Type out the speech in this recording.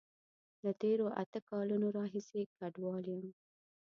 له تیرو اته کالونو راهیسی کډوال یم